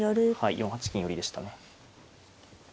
４八金寄でしたね。